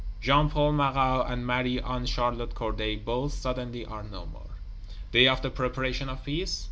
Jean Paul Marat and Marie Anne Charlotte Corday both, suddenly, are no more. "Day of the Preparation of Peace"?